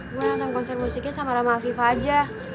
gue nonton konser musiknya sama rama afifah aja